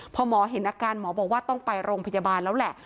พอหมอเห็นอาการหมอบอกว่าต้องไปโรงพยาบาลแล้วแหละ